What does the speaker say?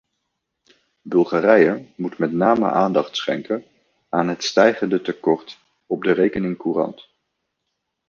Bulgarije moet met name aandacht schenken aan het stijgende tekort op de rekening-courant.